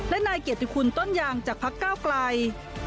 และนายเกียรติคุณต้นยางจากพักเก้าไกล